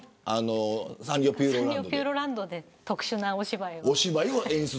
サンリオピューロランドで特殊なお芝居を。